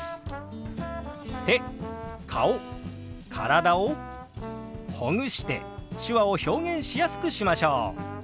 手顔体をほぐして手話を表現しやすくしましょう！